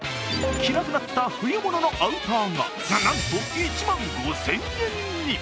着なくなった冬物のアウターが、なんと１万５０００円に。